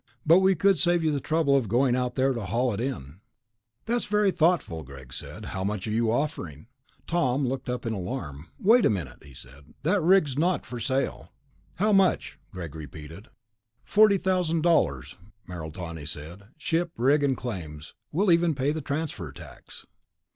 But we could save you the trouble of going out there to haul it in." "That's very thoughtful," Greg said. "How much are you offering?" Tom looked up in alarm. "Wait a minute," he said. "That rig's not for sale...." "How much?" Greg repeated. "Forty thousand dollars," Merrill Tawney said. "Ship, rig and claims. We'll even pay the transfer tax."